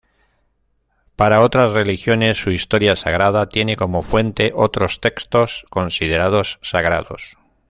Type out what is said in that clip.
Para otras religiones, su historia sagrada tiene como fuente otros textos considerados sagrados.